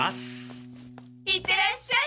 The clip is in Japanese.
いってらっしゃい。